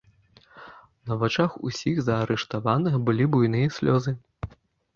На вачах усіх заарыштаваных былі буйныя слёзы.